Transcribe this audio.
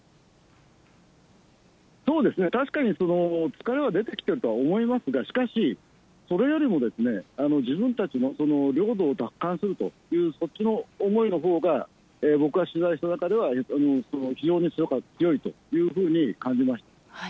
そうですね、確かに疲れは出てきているとは思いますが、しかし、それよりも、自分たちの領土を奪還するという、そっちの思いのほうが、僕が取材した中では、非常に強いというふうに感じました。